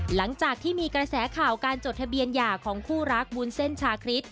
หลังจากที่มีกระแสข่าวการจดทะเบียนหย่าของคู่รักวุ้นเส้นชาคริส